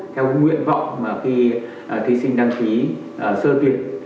theo nguyện vọng khi thí sinh đăng ký sơ tuyển